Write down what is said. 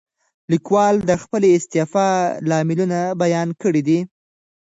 لیکوال د خپلې استعفا لاملونه بیان کړي دي.